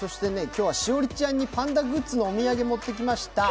今日は栞里ちゃんにパンダグッズのお土産持ってきました。